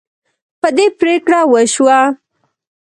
په دې پریکړه وشوه.